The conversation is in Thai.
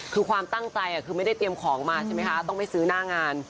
คือความตั้งใจคือไม่ได้เตรียมของมาใช่ไหมคะต้องไปซื้อหน้างาน